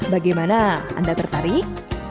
bagaimana anda tertarik